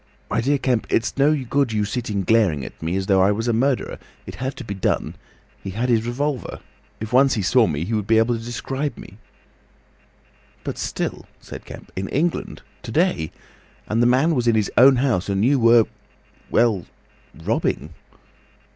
My dear Kemp, it's no good your sitting glaring as though I was a murderer. It had to be done. He had his revolver. If once he saw me he would be able to describe me—" "But still," said Kemp, "in England—to day. And the man was in his own house, and you were—well, robbing."